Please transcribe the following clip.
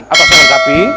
atau saya lengkapi